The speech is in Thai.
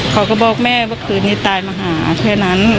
เขาก็บอกแม่ว่าคืนนี้ตายมาหาแค่นั้น